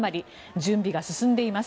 準備が進んでいます。